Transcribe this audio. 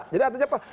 jadi artinya apa